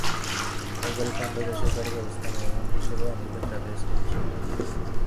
সরকারি ফান্ড আর বেসরকারি ব্যবস্থাপনা, এমন হিসাবে আমেরিকাতেও চার্টার স্কুল চলছে।